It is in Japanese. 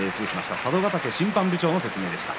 佐渡ヶ嶽審判部長の説明でした。